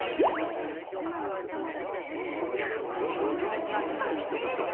路上に集まる人々。